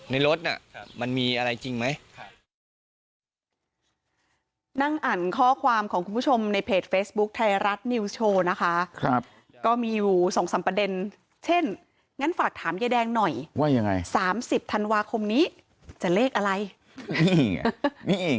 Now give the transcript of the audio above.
ในรถน่ะมันมีอะไรจริงไหม